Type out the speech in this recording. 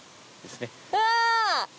うわ！